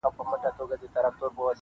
مُلا دي لولي زه سلګۍ درته وهمه-